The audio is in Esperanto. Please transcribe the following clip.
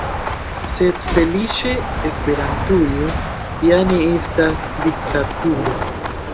Sed feliĉe Esperantujo ja ne estas diktaturo.